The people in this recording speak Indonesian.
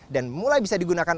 dan mulai bisa digunakan